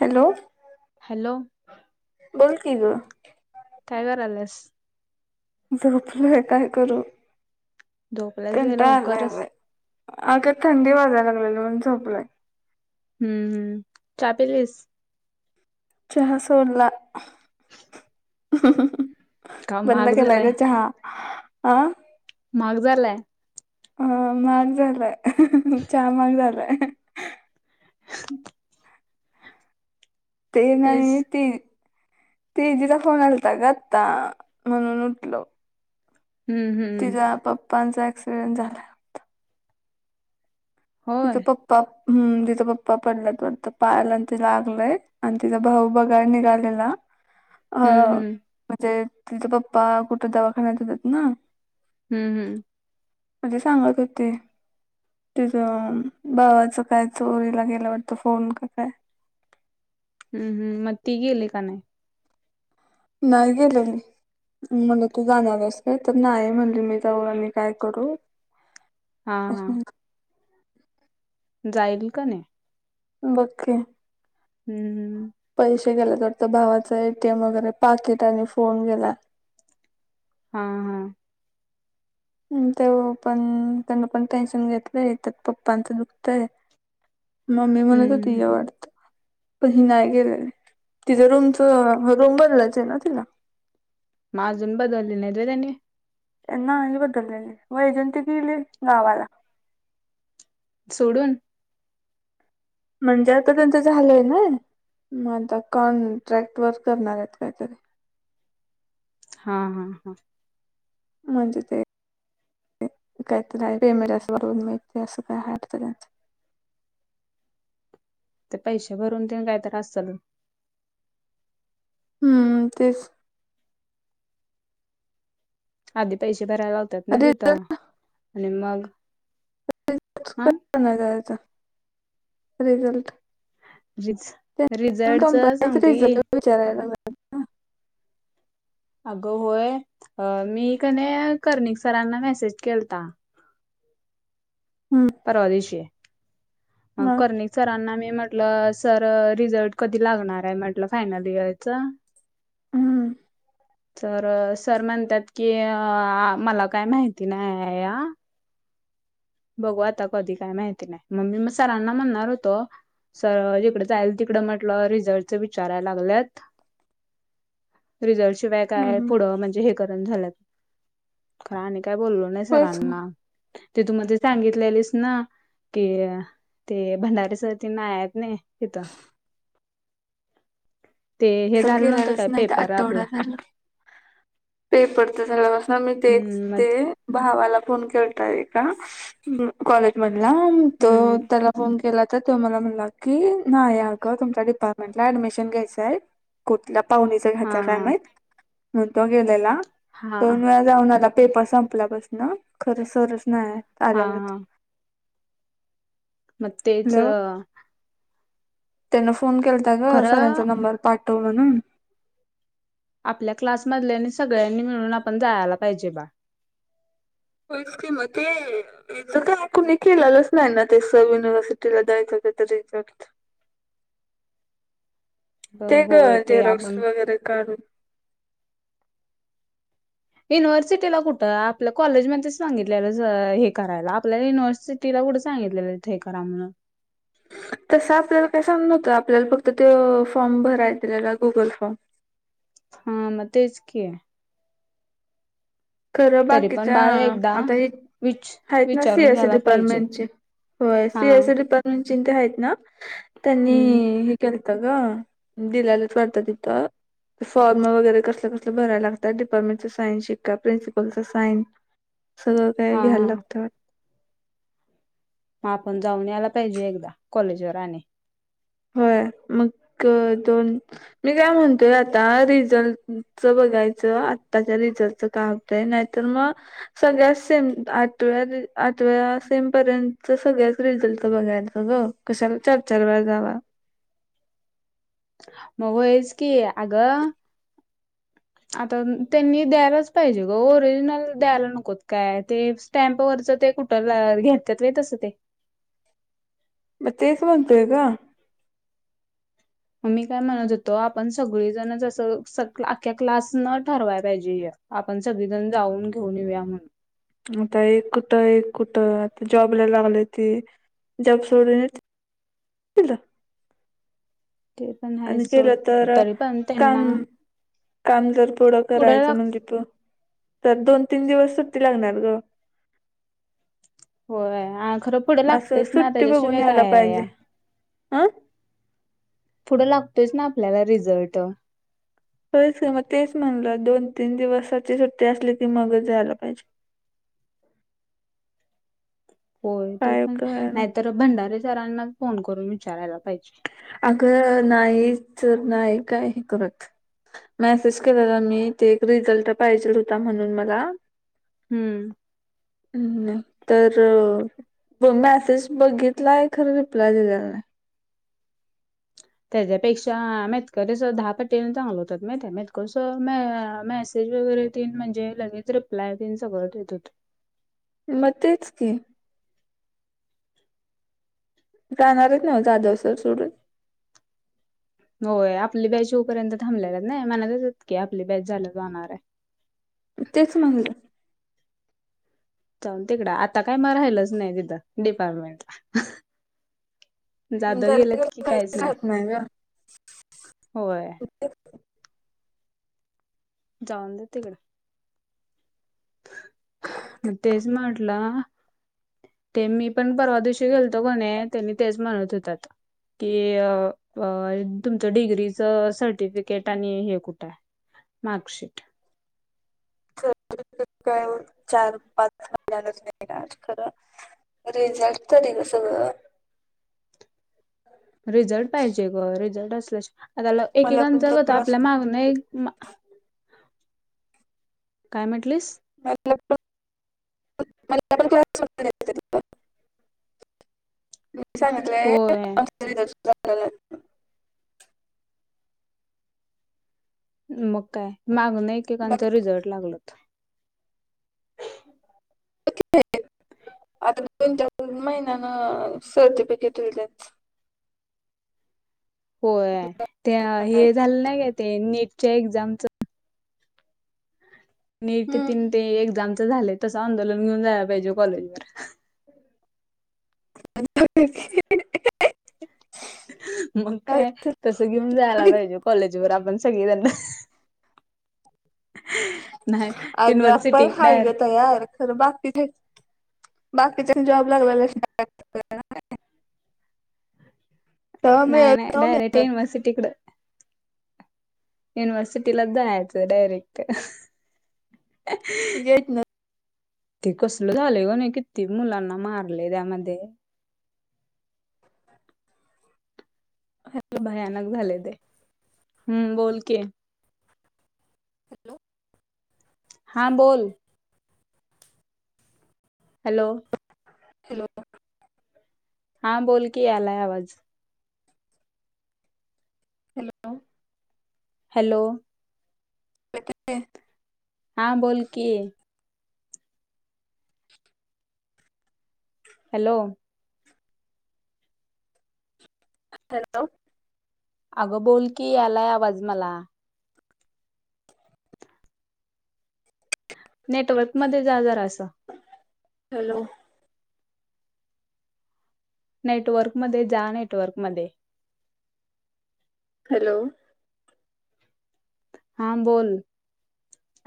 Hello. Hello. बोल क ग. काय करायल्यास? झोपलंय काय करू झोपल्याच कंटाळा आला ह लवकरच बा. अगर थंडी वाजायला लागलेली म्हणून झोपलंय. हम्म हम्म चा पिलीस? चा सोडला. का बंद महाग केलाय झालाय ग चहा महाग झालाय. अ माघ झालाय चहा माग झालाय. [inaudible] ते नाही तेच ते तेजिचा ला फोन आलता ग आता म्हणून उठल. हम्म हम. तिचा पप्पांचा ॲक्सिडेंट झाला. तिचां होय प् ह तिचा पप्पा पडलात पडत पाहाला आणि ति लागलय आणि तिचा भाऊ बघाय निघालेला. [inaudible] अ हम्म म्हणजे तिचा पप्पा कुठं दवाखान्यात आहेत ना. हम्म हम्. म्हणजे सांगत होते. बावाचं काय चोरीला गेला वाटतं फोन का काय? हम्म हम् मग ती गेले का नाही. नाहीय गलेली. म्हटलं तू जाणारस का तर नाही म्हणले मी जाऊन आणि काय करू. हा असं हा. म्हणलं. जाईल का नाही. बके हम्म. हम्म पैसे गेल्या तर तर भावाचा एटीएम वगैरे पाकिट आणि फोन गेला. हा हा. तेव पण त्यांना पण टेन्शन घेतलंय त्यात पप्पांचं दुखतय. मग मी म्हणत हम्म होती वाटत. पण ह नाही गेलेली तिच रूमच रूम बनलायच आहे ना तिला मा अजून बदलली नाही [unintelligible] त्यांनी. नाही बदललेल. वैजंती गीली, गावाला. सुडून म्हणजे आता त्यांचं झालंय ना. मग आता कॉन्ट्रॅक्टवर करणारयत, कायतरी. हा, हा, हा. म्हणजे ते, [unintelligible] काहीतरी आहे. पेमेंट अस वरून मिळतंय. असं काय वाटतं त्यांच. ते पैसे भरून तेन, काय तर आसल. हम्म. तेच. आधी पैसे भरायला लावतात ना, तिथ. आणि मग, आं. पुन्हा जायाचा. रिझल्ट. रिझ - रिझल्टच, कंपनीत सांगती. [unintelligible] आगं होय. अ मी कनय कर्णिक सरांना, मेसेज केलता. हम्म. परवा दिवशी. अ करणी सरांना मी म्हटलं. सर, रिझल्ट कधी लागणारय. म्हटलं. फायनल इयरचा. हम. तर, सर म्हणत्यात की, अ मला काय माहिती नाही. आ. बघू आता कधी, काय माहिती नाही. मम् म मी, सरांना म्हणणार होतो सर, जिकडे जाईल तिकड म्हटलं, रिझल्टच विचारायला लागल्यात. रिझल्ट शिवाय काय, हम्म पुढं म्हणजे हे करण झाल्यात. आणि काय बोललो नाही होयच सरांना. ति तु मधे सांगितलेलीस ना कि, ते भंडारे सर ते, नाही हायत न, तिथं. ते, हे, तर झालं नव्हतं गेलेलाच काय? नाही तर पेपर आठवडा आपला. झाला. पेपरच झाल्यापासुन मी तेेच, हम्म ते मग भावाला फोन केलता एका. कॉलेज मधला. तो हम्म त्याला फोन केला तर, तो मला म्हणला की. नाही अगं, तुमच्या डिपार्टमेंटला ऍडमिशन घ्यायचाय कुठल्या पाहुणीच हा घ्यायचा काय माहित? मग तो गेलेला. हा हा दोन वेळा जाऊन आला. पेपर संपल्यापसन. खरं सरच नाही. हा, आल्याला. हा. म तेच अ त्यांन फोन केला ता ग. खरं सरांचा नंबर पाठव म्हणुन. आपल्या क्लासमधल्यानि, सगळ्यांनी मिळून. आपण जायाला पाहिजे, बा. [unintelligible] त्याचं काय, कुणी केलेलंच नाही ना, ते सब युनिव्हर्सिटीला द्यायचं त्याच रिझल्ट. गं, ते ग होय. ते आपण [unintelligible] काढून. युनिव्हर्सिटीला कुठं? आपल्या कॉलेजमध्ये सांगितलेलं ज हे करायला. आपल्याला युनिव्हर्सिटी टीला कुठं? सांगितलेला थे करा म्हणून. तसं, आपल्याला काय सांग नव्हतं. आपल्याला फक्त ते, फॉर्म भराय दिलेला. Google form. हा, ना. तेच की. तरं तरी पण बाकीच्या, बाळ एकदा आता एक विच हायत ना, सी विचारून एस ई घ्यायला पाहिजे डिपार्टमेंटचे. होय. हा सी एस ई डिपारमेंटचि न हायत ना. त्यांनी हम्म हे केलतं गं. दिल्यालीत वाटत तीत. फॉर्म वगैरे कसलं - कसलं भरायला लागत. डिपार्टमेटची सायन्सची. त्या प्रिन्सिपलच साईन सगळं काय हा घ्यायला हा लागत वाट म आपण जाऊन यायला पाहिजे एगदा कॉलेजवर आणि होय मग क दोन मी काय म्हणतोय आता रिझल्टचं बघायचं आत्ताच्या रिझल्टचं काय ते नाहीतर मग सगळ्यात सेम आठव्या आठव्या सेम पर्यंत सगळ्याच रिझल्टच बघायचं ग. कशाला चार चार वेळा जावा. मग होयच की अगं. आता त्यांनी द्यायलाच पाहिजे ग ओरिजिनल द्यायला नकोत काय ते. स्टॅम्प वरच ते कुठ ला घेतेत होय तसं ते. म तेच म्हणतोय गं मग मी काय म्हणत होतो आपण सगळीजण जसं स क अख्या क्लास न ठरवाय पाहिजे हे. आपण सगळीजण जाऊन घेऊन येऊया म्हण. मग आता एक कुठं एक कुठं आता जॉबला लागलय ते जॉब सोडूनच. तीला ते पण आहे आणि सोड केलं तर तरी पण कम. त्यांना काम जर पुढं करायचं म्हणजे प तर दोन तीन दिवस सुट्टी लागणार ग. होय आणि खरं पुढे असं लागतयच ना सुट्टी बघून त्याच्याशिवाय यायला काय पाहिजे हा पुढं लागतयच ना आपल्याला रिझल्ट. होयच की मग तेच म्हणलं दोन तीन दिवसाची सुट्टी असली की मगच जायला पाहिजे. होय ते काय पण काय ना नाहीतर भंडारे सरांना च फोन करून विचारायला पाहिजे. अगं नाहीत तर नाही काय हे करत. मेसेज केलेला मी ते एक रिझल्ट पाहिजेल होता म्हणून मला. हम्म. नाही तर. प मेसेज बघितला आहे खरं रिप्लाय दिलेला नाही. त्याच्यापेक्षा मेतकरे सर दहा पटीन चांगलं होतात माहिताय मेतकरे सर मे मॅ मेसेज वगैरे. तीन म्हणजे लगेच रिप्लाय तेन सगळ ठेवत्यात. म तेच की. जाणार हायत नव्ह जाधव सर सोडून. होय आपली बॅच होऊपर्यंत थांबलेलत नाही म्हणतत की आपली बॅच झाल्या वर जाणाराय. तेच म्हणलं जाऊदे तिकड आता काय मग राहिलच नाही तिथं डिपार्टमेंटला. मी जाधव जरा गेलेत की काहीच नाही राहत ग होय. जाऊंदे तिकड. म तेच म्हंटल ते मी पण परवा दिवशी गेलतो कणी त्यांनी तेच म्हणत होतात. कि अ अ तुमचं डिग्रीचं सर्टिफिकेट आणि हे कुठाय. मार्कशीट. [unintelligible] चार पाच [unintelligible] खरं. रिझल्ट तरी ग सगळं. रिझल्ट पाहिजे ग रिझल्ट असल्या शी आता ल मला पण एकेकांचा तर गत क्लास आपल्या मागन एक मा. काय म्हटलीस. [unintelligible] म सांगितलंय होय [unintelligible] मंग कायं मागूण एकेकांच बाकी रिझल्ट लागलंत आंता दोन चार महिन्यांन सर्टिफिकेट होतेचं होयं ते हे झालं नां कांय ते नेटच्यां एक्झांम्स चं. नीट तीनं ते एक्झांम्स झाले तसं आंदोलन घेऊंन जायंला पाहिजे कॉलेज वरं. [unintelligible] [unintelligible] मंग कायं तसं घेऊंन जायंला पाहिजे कॉलेज वरं आपणं सगळीं जणं हं अगं आपणं हांय गं तयांर तरं बाकीचे बाकीच्यां जॉब लागंला तरं नाहीं नाहीं मिळत डायरेक्ट मिळत युनिवर्सिटीकडे युनिव्हर्सिटीलांच जायचं डायरेक्ट येत ना ते कसलं झांले गं नाहीं किती मुलांना मारले त्यांमध्ये गं हॅलो भयांनक झांले ते हम्मं बोलकी हॅलो हां बोल हॅलो हॅलो हां बोल की आलांय आवांज हॅलो हॅलो कायं करतें हायं हां बोल की हॅलो हॅलो अगं बोल की आलांय आवांज मलां नेटवर्क मध्यें जां जरां असं हॅलो नेटवर्क मध्यें जां नेटवर्क मध्यें हॅलो हां बोल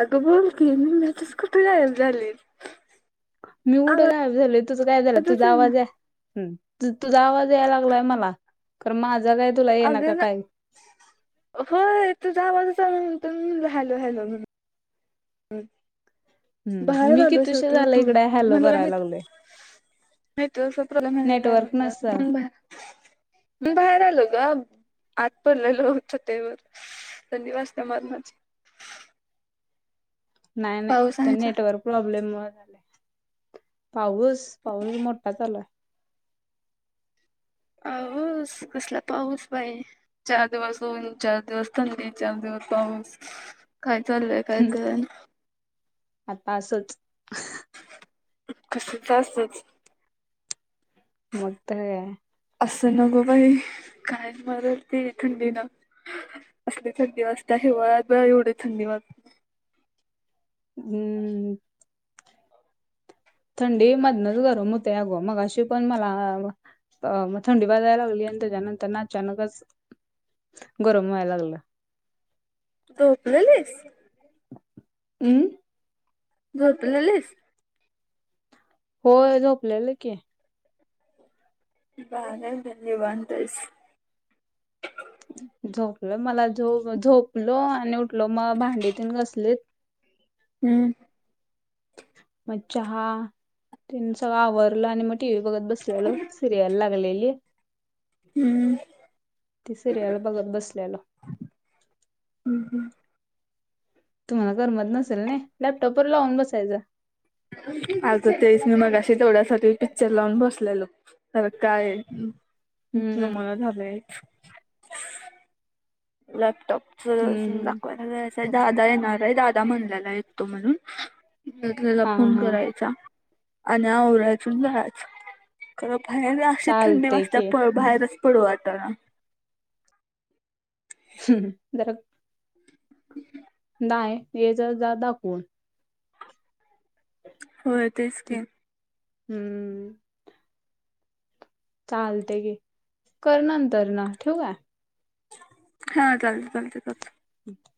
अगं बोल की मध्येचं कुठे गायंब झालीसं मी कुठं गायबं झालोय तुझं कायं झालं आवाजच तुझां आहे ना आवांज आहे तुं तुझां आवांज यांयला लागलांय मलां खरं माझां कांय अगं नां होयं तुझां आवांज चांल म्हणलो हॅलो हॅलो बाहेर मी आलो कितुशी शेवटी झालं उठूंन इकडे हॅलो म्हंण कां करायला नाहीं लागलोय नेटवर्क चां प्रॉब्लेम आहे कां कायं नेटवर्क म्हणलं नसल म्हणूंन बाहेर मी बाहेर आलो गं आंत पडलेलो लोळंत चटईवरं थंडी वाजते मरणांची नाहीं नाहीं पाऊस त्यां आहे का? नेटवर्कर प्रॉब्लेम मुळें पाऊसं पाऊसं मोठां चांलू आहे हंस कसलां पाऊसं बाई चार दिवसं ऊंन चार दिवसं थंडी चार दिवसं पाऊसं कायं चालंय कायं कळनां आंता असंच कसं तरं असचं मग तर ह असं नगो बाई काय मरल ते थंडीन असली थंडी वाजते हिवाळ्यात पण एवढी थंडी वाजते हम्म थंडी मधनच गरम होते अग मगाशी पण मला अ थंडी वाजायला लागली त्यानंतर अचानकच गरम व्हायला लागल झोपलेलीस हम् झोपलेलीस होय झोपलेलं की भारी आहे बाय निवांत आहेस झोपलो मला झ झोपलो आणि उठलो मग भांडीतून घसलीत हम्म मग चहा त्यांन सगळं आवरलं आणि मग टी व्ही बघत बसलेलो, सिरियल लागलेली. हम्म, ते सिरीयल बघत बसल्यालो. हम् हम् तुम्हाला करमत नसेल ना लॅपटॉप वर लावून बसायच. आ तेच मी मगाशी थोडासा पिकच्चर लावून बसलेलो. तर म काय हम्म करमाना झालय. लॅपटॉपच [unintelligible] हम्म मला जायचं दादा येणार आहे दादा म्हणलेला येत तो म्हणून. त्याला हा फोन हा करायचा. आणि आवरायच आन जायच खर बाहेर ना अशी थंडी चालतय वाचते की प बाहेरच पडू वाटाणा. हम् जर [inaudible] नाहीय य जा दाखवून. होय तेच की, हम्म चालते की, कर नंतर ना ठेऊ का? हा चालते -चालते चालत. [unintelligible]